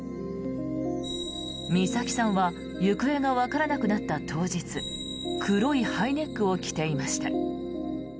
美咲さんは行方がわからなくなった当日黒いハイネックを着ていました。